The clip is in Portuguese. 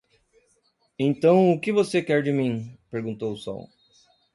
"Então o que você quer de mim?", Perguntou o sol.